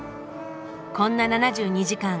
こんな「７２時間」